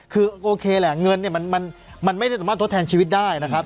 คือแหละเงินเนี้ยมันมันมันไม่ได้สมมติทดแทนชีวิตได้นะครับ